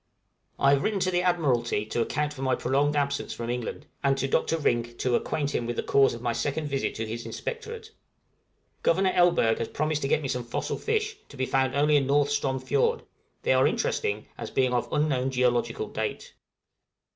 I have written to the admiralty to account for my prolonged absence from England; and to Dr. Rink to acquaint him with the cause of my second visit to his inspectorate. Governor Elberg has promised to get me some fossil fish, to be found only in North Strom Fiord: they are interesting, as being of unknown geological date.